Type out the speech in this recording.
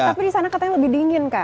tapi di sana katanya lebih dingin kak